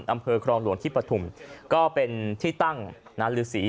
อำเภอครองหลวงที่ปฐุมก็เป็นที่ตั้งนานฤษี